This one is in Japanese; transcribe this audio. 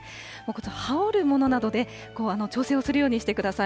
羽織るものなどで、調整をするようにしてください。